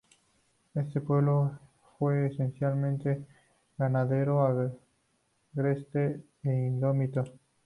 Éste pueblo fue esencialmente ganadero, agreste e indómito.